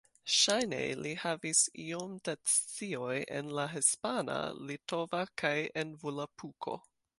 Ŝajne li havis iom da scioj en la hispana, litova kaj en Volapuko.